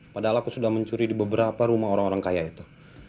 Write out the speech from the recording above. padahal aku sudah mencuri di beberapa rumah orang orang kaya itu